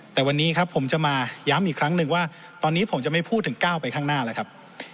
แต่วันนี้ครับผมจะมาย้ำอีกครั้งหนึ่งว่าตอนนี้ผมจะไม่พูดถึงก้าวไปข้างหน้าแล้วครับ